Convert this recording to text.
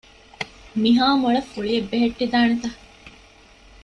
މިހާ މޮޅަށް ފުޅިއެއް ބެހެއްޓިދާނެތަ؟